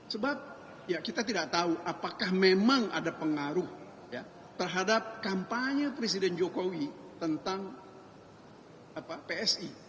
sebab ya kita tidak tahu apakah memang ada pengaruh terhadap kampanye presiden jokowi tentang psi